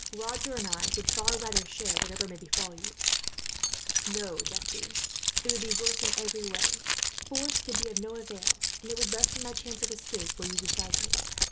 Roger and I would far rather share whatever may befall you." "No, Jacques, it would be worse in every way. Force could be of no avail, and it would lessen my chance of escape, were you beside me.